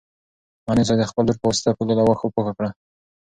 معلم صاحب د خپل لور په واسطه پوله له واښو پاکه کړه.